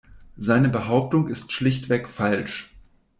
Seine Behauptung ist schlichtweg falsch.